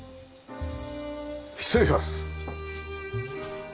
失礼します。